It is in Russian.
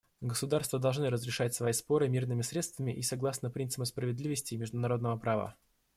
Государства должны разрешать свои споры мирными средствами и согласно принципам справедливости и международного права.